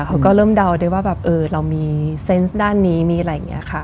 เขาก็เริ่มเดาได้ว่าแบบเออเรามีเซนต์ด้านนี้มีอะไรอย่างนี้ค่ะ